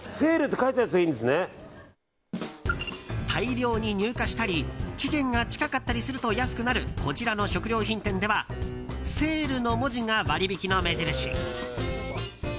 大量に入荷したり期限が近かったりすると安くなる、こちらの食料品店ではＳＡＬＥの文字が割引の目印。